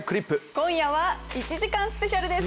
今夜は１時間スペシャルです。